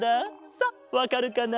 さあわかるかな？